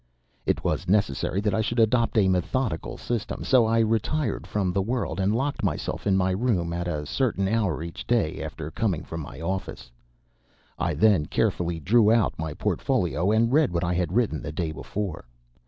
It was necessary that I should adopt a methodical system, so I retired from the world and locked myself in my room at a certain hour each day, after coming from my office. I then carefully drew out my portfolio and read what I had written the day before.